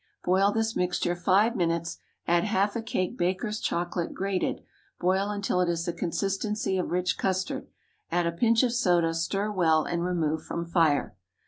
Boil this mixture five minutes, add half a cake Baker's chocolate (grated), boil until it is the consistency of rich custard. Add a pinch of soda, stir well, and remove from fire.